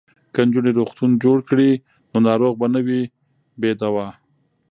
که نجونې روغتون جوړ کړي نو ناروغ به نه وي بې دواه.